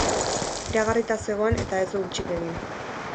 Iragarrita zegoen eta ez du hutsik egin.